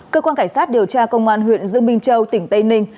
cơ quan cảnh sát điều tra công an huyện dương minh châu tỉnh tây ninh